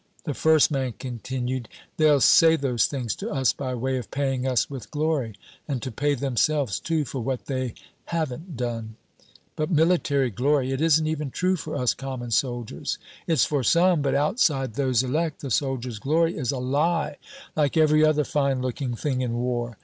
The first man continued. "They'll say those things to us by way of paying us with glory, and to pay themselves, too, for what they haven't done. But military glory it isn't even true for us common soldiers. It's for some, but outside those elect the soldier's glory is a lie, like every other fine looking thing in war.